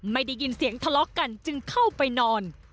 ไม่ได้ยินเสียงทะเลาะกันจึงเข้าไปนอน